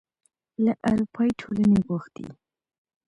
له اروپايي ټولنې غوښتي